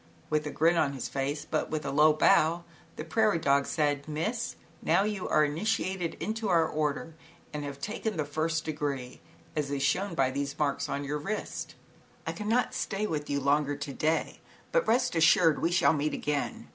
With a grin on his face but with a low bow, the prairie dog said: "Miss, now you are initiated into our Order and have taken the first degree, as is shown by these marks on your wrist. " I cannot stay with you longer to day, but, rest assured, we shall meet again.